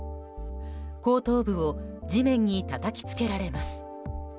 後頭部を地面にたたきつけられます。